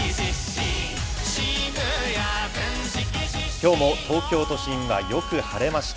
きょうも東京都心はよく晴れました。